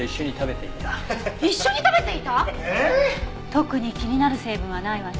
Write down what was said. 特に気になる成分はないわね。